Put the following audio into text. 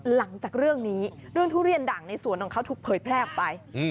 หลังจากเรื่องนี้เรื่องทุเรียนดังในสวนของเขาถูกเผยแพร่ออกไป